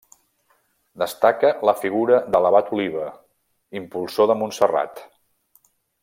Destaca la figura de l'abat Oliba, impulsor de Montserrat.